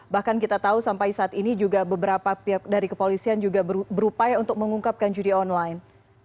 bahkan kita tahu sampai saat ini juga beberapa pihak dari kepolisian juga berupaya untuk mengungkapkan judi online